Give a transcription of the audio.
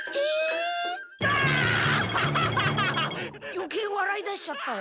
よけいわらいだしちゃったよ。